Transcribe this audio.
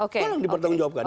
kalang dipertanggung jawabkan